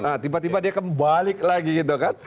nah tiba tiba dia kembali lagi gitu kan